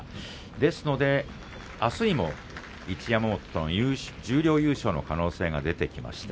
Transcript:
ですからあすにも一山本の十両優勝の可能性が出てきました。